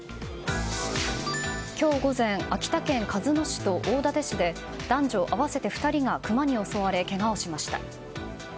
今日午前秋田県鹿角市と大館市で男女合わせて２人がクマに襲われけがをしました。